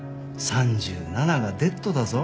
３７がデッドだぞ。